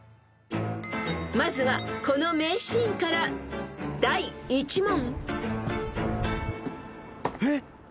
［まずはこの名シーンから第１問］